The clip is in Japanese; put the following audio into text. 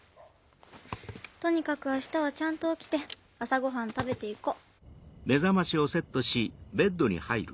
とにかく明日はちゃんと起きて朝ごはん食べて行こう。